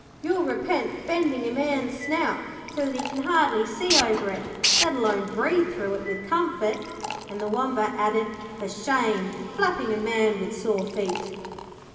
You'll repent bending a man's snout so that he can hardly see over it, let alone breathe through it with comfort', and the Wombat added, 'For shame, flapping a man with sore feet.'